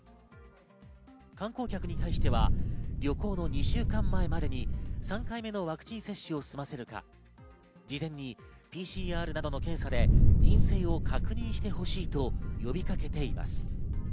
観光客に対しては旅行の２週間前までに３回目のワクチン接種を済ませるか、事前にＰＣＲなどの検査で陰性を確認してほしいと呼びかけています。